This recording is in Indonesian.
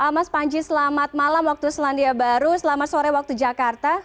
mas panji selamat malam waktu selandia baru selamat sore waktu jakarta